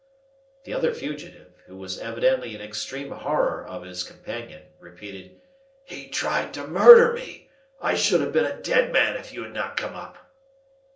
The other fugitive, who was evidently in extreme horror of his companion, repeated, "He tried to murder me. I should have been a dead man if you had not come up."